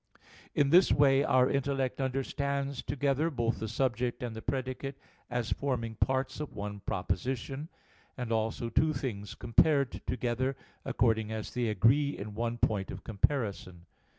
In this way our intellect understands together both the subject and the predicate, as forming parts of one proposition; and also two things compared together, according as they agree in one point of comparison.